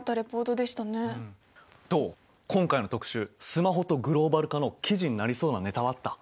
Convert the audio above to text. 「スマホとグローバル化」の記事になりそうなネタはあった？